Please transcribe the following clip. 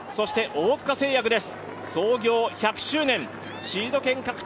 大塚製薬です。